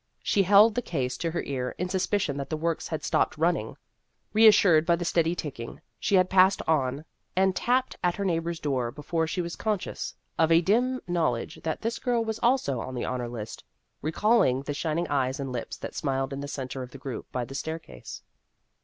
She held the case to her ear in suspicion that the works had stopped running. Reassured by the steady ticking, she had passed on and tapped at her neighbor's door, before she was conscious of a dim knowledge that this girl was also on the " honor list," re calling the shining eyes and lips that smiled in the centre of the group by the staircase.